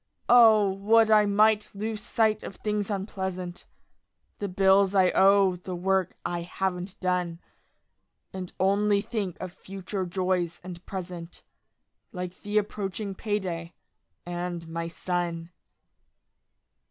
Ah, would I might lose sight of things unpleasant: The bills I owe; the work I haven't done. And only think of future joys and present, Like the approaching payday, and my son.